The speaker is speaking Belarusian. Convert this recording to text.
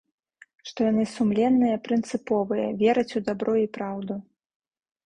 Што яны сумленныя, прынцыповыя, вераць у дабро і праўду.